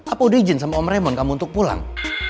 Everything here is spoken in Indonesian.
apa udah izin sama om remon kamu untuk pulang